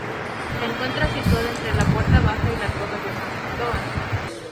Se encuentra situada entre la puerta Baja y la Torre de San Cristóbal.